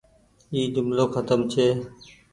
اي جملو کتم ڇي۔